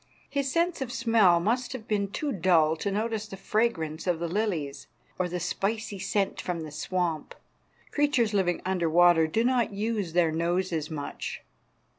His sense of smell must have been too dull to notice the fragrance of the lilies or the spicy scent from the swamp. Creatures living under water do not use their noses much.